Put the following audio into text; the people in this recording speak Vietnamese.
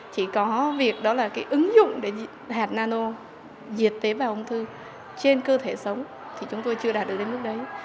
chỉ có việc đó là cái ứng dụng để hạt nano diệt tế bào ung thư trên cơ thể sống thì chúng tôi chưa đạt được đến mức đấy